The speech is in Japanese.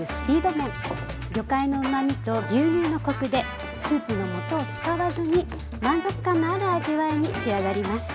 魚介のうまみと牛乳のコクでスープのもとを使わずに満足感のある味わいに仕上がります。